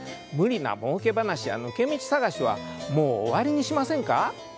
無理なもうけ話や抜け道探しはもう終わりにしませんか。